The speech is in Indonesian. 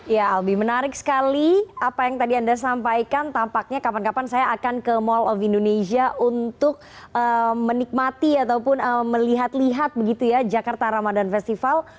ya albi menarik sekali apa yang tadi anda sampaikan tampaknya kapan kapan saya akan ke mall of indonesia untuk menikmati ataupun melihat lihat begitu ya jakarta ramadan festival